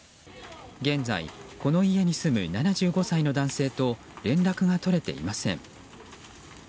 現在、この家に住む７５歳の男性と連絡が取れていません。